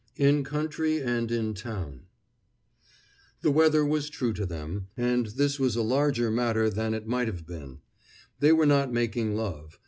XI IN COUNTRY AND IN TOWN The weather was true to them, and this was a larger matter than it might have been. They were not making love.